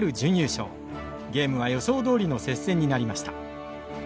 ゲームは予想どおりの接戦になりました。